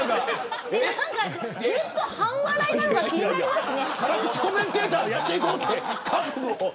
ずっと半笑いなのが気になりますね。